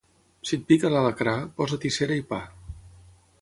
Si et pica l'alacrà, posa-t'hi cera i pa.